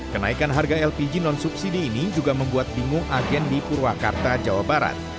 kenaikan harga lpg non subsidi ini juga membuat bingung agen di purwakarta jawa barat